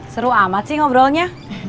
seru amat sih ngobrolnya